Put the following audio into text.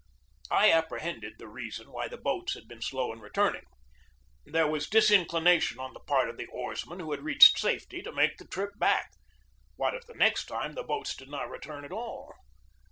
I apprehended the reason why the boats had been slow in returning. There was disinclination on the part of the oarsmen who had reached safety to make the trip back. What if the next time the boats did not return at all?